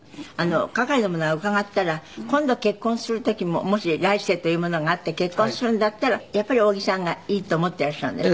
係の者が伺ったら今度結婚する時ももし来世というものがあって結婚するんだったらやっぱり扇さんがいいと思ってらっしゃるんですって？